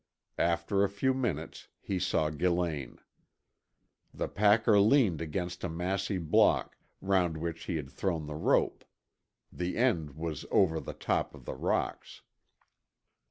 After a few minutes he saw Gillane. The packer leaned against a massy block, round which he had thrown the rope; the end was over the top of the rocks.